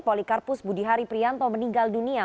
polikarpus budihari prianto meninggal dunia